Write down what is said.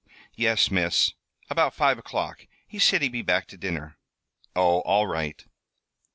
"Yes, Miss; about five o'clock. He said he'd be back to dinner." "Oh! All right."